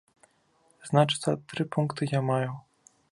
Значыцца, тры пункты я маю.